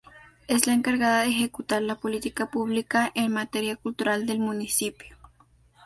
Es la encargada de ejecutar la política pública en materia cultural del municipio.